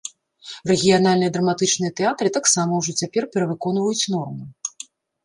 Рэгіянальныя драматычныя тэатры таксама ўжо цяпер перавыконваюць норму.